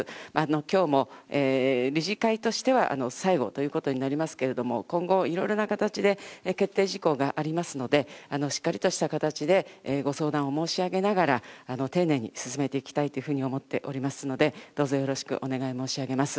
きょうも理事会としては最後ということになりますけれども、今後、いろいろな形で決定事項がありますので、しっかりとした形でご相談を申し上げながら、丁寧に進めていきたいというふうに思っておりますので、どうぞよろしくお願い申し上げます。